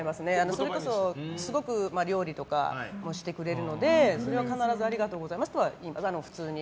それこそ、すごく料理とかもしてくれるのでそれは必ずありがとうございますと普通に。